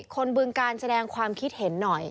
บึงการแสดงความคิดเห็นหน่อย